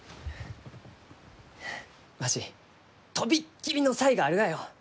わし飛びっ切りの才があるがよ！